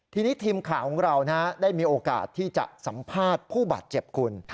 ทีนี้ทีมข่าวของเราได้มีโอกาสที่จะสัมภาษณ์ผู้บาดเจ็บคุณ